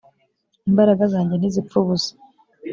imbaraga zanjye ntizipfa ubusa.